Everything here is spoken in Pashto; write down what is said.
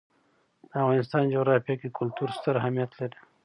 د افغانستان جغرافیه کې کلتور ستر اهمیت لري.